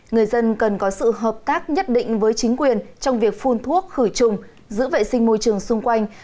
người dân cần có sự hợp tác nhất định với chính quyền trong việc phun thuốc khử trùng giữ vệ sinh môi trường xung quanh